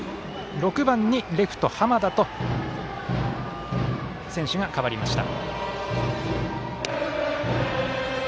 ６番に、レフトの濱田と選手が代わりました。